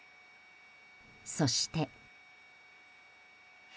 そして。